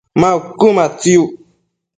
ma uquëmatsiuc?